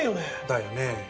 だよね。